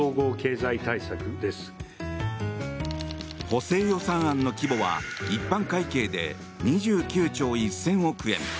補正予算案の規模は一般会計で２９兆１０００億円。